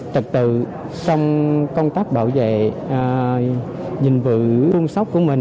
trật tự trong công tác bảo vệ nhìn vự khuôn sóc của mình